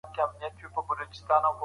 په کورنۍ کې د ماشوم هیله نه وژل کېږي.